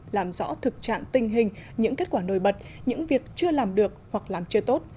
làm rõ thực trạng tình hình những kết quả nổi bật những việc chưa làm được hoặc làm chưa tốt